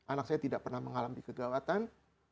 anak saya tidak pernah mengalami kegawatan